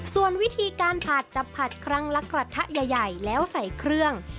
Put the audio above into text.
ส่วนวิธีการผัดจะผัดครั้งละกระทะใหญ่แล้วใส่เครื่อง